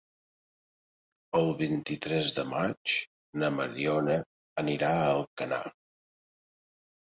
El vint-i-tres de maig na Mariona anirà a Alcanar.